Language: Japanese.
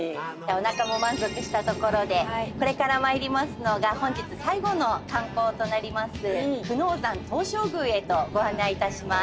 おなかも満足したところでこれから参りますのが本日最後の観光となります久能山東照宮へとご案内致します。